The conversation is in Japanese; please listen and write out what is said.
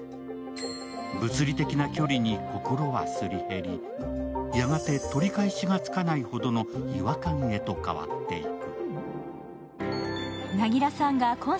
物理的な距離に心はすり減り、やがて取り返しがつかないほどの違和感へと変わっていく。